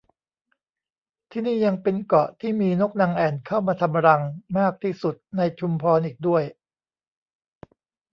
ที่นี่ยังเป็นเกาะที่มีนกนางแอ่นเข้ามาทำรังมากที่สุดในชุมพรอีกด้วย